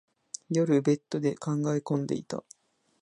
夜、ベッドで考え込んでいた。